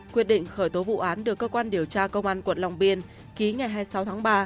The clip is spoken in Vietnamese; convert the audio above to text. quyết định khởi tố vụ án được cơ quan điều tra công an quận long biên ký ngày hai mươi sáu tháng ba